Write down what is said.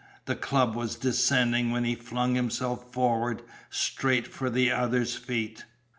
The club was descending when he flung himself forward, straight for the other's feet.